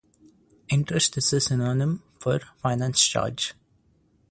Interest is a synonym for finance charge.